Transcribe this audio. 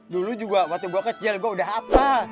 dulu juga waktu gue kecil gue udah hafal